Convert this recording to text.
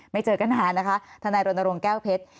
เจอกันนานนะคะทนายรณรงค์แก้วเพชร